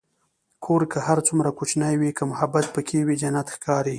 کور که هر څومره کوچنی وي، که محبت پکې وي، جنت ښکاري.